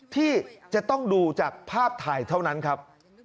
ที่จะต้องดูจากภาพถ่ายเท่านั้นครับ